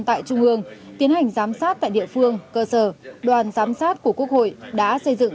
tại trung ương tiến hành giám sát tại địa phương cơ sở đoàn giám sát của quốc hội đã xây dựng